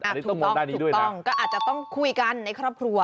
อันนี้ต้องมองด้านนี้ด้วยนะถูกต้องก็อาจจะต้องคุยกันในครอบครัว